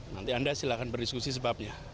nanti anda silahkan berdiskusi sebabnya